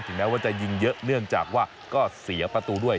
แม้ว่าจะยิงเยอะเนื่องจากว่าก็เสียประตูด้วย